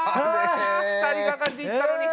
２人がかりでいったのに。